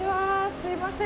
すみません。